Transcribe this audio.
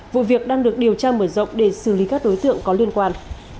vụ việc đang được điều tra mở rộng để xử lý các đối tượng có liên quan